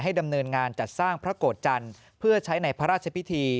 ดำเนินงานจัดสร้างพระโกรธจันทร์เพื่อใช้ในพระราชพิธี